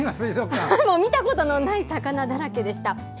見たことのない魚だらけでした。